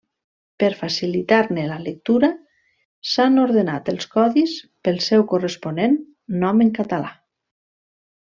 Per facilitar-ne la lectura s'han ordenat els codis pel seu corresponent nom en català.